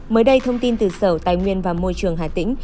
mới đây thông tin từ sở tài nguyên và môi trường hà tĩnh